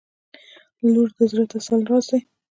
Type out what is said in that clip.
• لور د زړه د تسل راز دی.